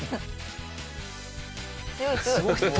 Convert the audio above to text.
強い強い。